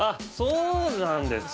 そうなんですね。